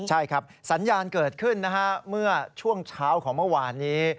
ใช่ครับสัญญาณเกิดขึ้นนะฮะเมื่อช่วงเช้าของเมื่อวานนี้